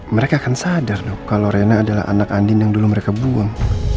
mereka akan sadar dong kalau rena adalah anak andin yang dulu mereka buang